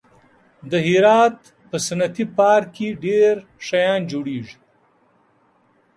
د هرات په صنعتي پارک کې ډېر شیان جوړېږي.